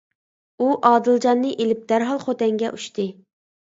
ئۇ ئادىلجاننى ئېلىپ دەرھال خوتەنگە ئۇچتى.